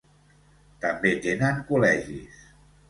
També tenen col·legis.